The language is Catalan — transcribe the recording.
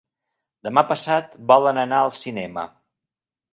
Demà passat volen anar al cinema.